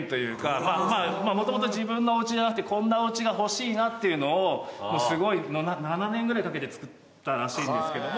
まぁもともと自分のおうちじゃなくてこんなおうちが欲しいなっていうのをすごい７年ぐらいかけて作ったらしいんですけども。